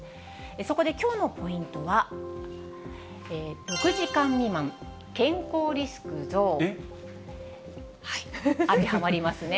そこできょうのポイントは、６時間未満、健康リスク増？当てはまりますね。